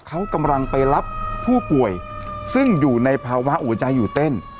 เขากำลังไปรับผู้ป่วยซึ่งอยู่ในภาวะหัวใจหยุดเต้น